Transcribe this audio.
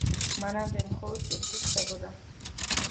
მანამდე, მხოლოდ პირიქით ხდებოდა.